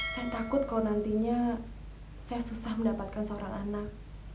saya takut kalau nantinya saya susah mendapatkan seorang anak